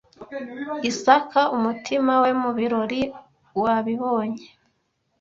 isaka umutima we mu birori wabibonye